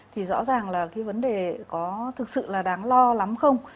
thì rõ ràng là cái vấn đề có thực sự là đáng lo lắm không